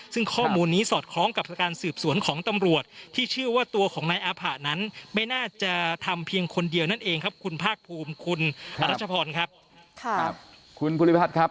ซึ่งข้อมูลนี้สอดคล้องกับการสืบสวนของตำรวจที่เชื่อว่าตัวของนายอาผ่านั้นไม่น่าจะทำเพียงคนเดียวนั่นเองครับคุณภาคภูมิคุณรัชพรครับ